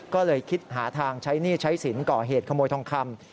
ก็เลยคิดหาทางใช้หนี้ใช้สินก่อเหตุขโมยทองคำ